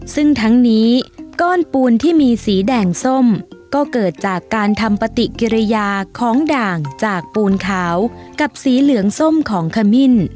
ซึ่งทั้งนี้ก้อนปูนที่มีสีแดงส้มก็เกิดจากการทำปฏิกิริยาของด่างจากปูนขาวกับสีเหลืองส้มของขมิ้น